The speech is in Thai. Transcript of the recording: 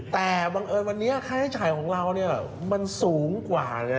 แต่บังเอิญวันนี้ค่าใช้จ่ายของเรามันสูงกว่า